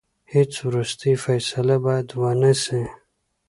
هیڅ وروستۍ فیصله باید ونه سي.